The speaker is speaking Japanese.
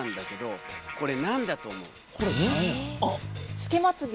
つけまつげ。